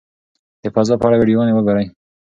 د فضا په اړه ویډیوګانې وګورئ.